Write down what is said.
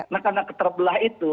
nah karena keterbelah itu